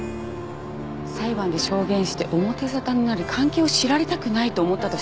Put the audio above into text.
裁判で証言して表沙汰になり関係を知られたくないと思ったとしたら。